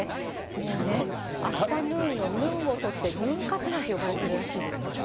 もうね、アフタヌーンのヌーンを取って、ヌン活なんて呼ばれてるらしいですから。